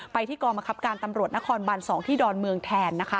ไปที่กรมกรับการตำรวจนครบัน๒ที่ดอนเมืองแทน